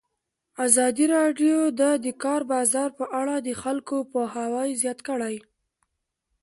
ازادي راډیو د د کار بازار په اړه د خلکو پوهاوی زیات کړی.